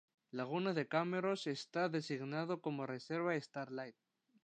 Laguna de Cameros está designado como reserva StarLight.